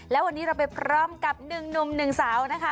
แล้ววันนี้เราไปพร้อมกับหนึ่งหนุ่มหนึ่งสาวนะคะ